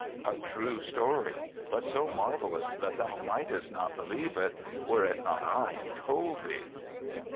"A true story, but so marvelous that thou mightest not believe it, were it not I who told thee."